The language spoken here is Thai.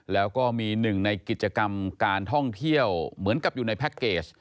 แล้วก็มีหนึ่งในกิจกรรมการท่องเที่ยวเหมือนกับอยู่ในแพ็คเกจ